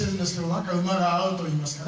なんか馬が合うといいますかね